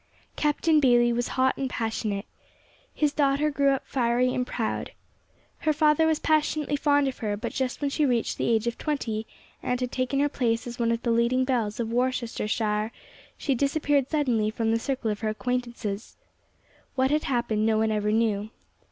Captain Bayley was hot and passionate. His daughter grew up fiery and proud. Her father was passionately fond of her; but just when she reached the age of twenty, and had taken her place as one of the leading belles of Worcestershire, she disappeared suddenly from the circle of her acquaintances. What had happened no one ever knew.